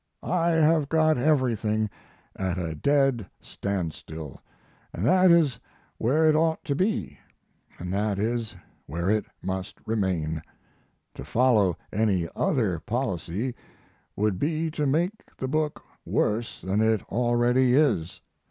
I have got everything at a dead standstill, and that is where it ought to be, and that is where it must remain; to follow any other policy would be to make the book worse than it already is.